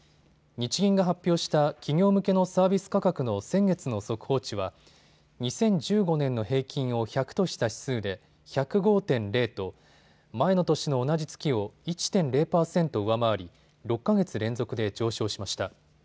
日銀が発表した企業向けのサービス価格の先月の速報値は２０１５年の平均を１００とした指数で１０５．０と前の年の同じ月を１．０％上回り６か月連続で上昇しました。